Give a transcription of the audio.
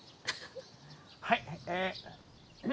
・はい。